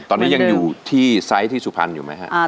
ตอนนี้ยังอยู่ที่ไซส์ที่สุพรรณอยู่ไหมฮะ